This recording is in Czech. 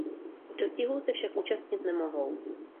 Dostihů se ovšem účastnit nemohou.